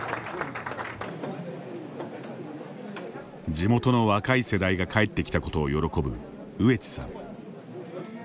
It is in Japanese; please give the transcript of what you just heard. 地元の若い世代が帰ってきたことを喜ぶ上地さん。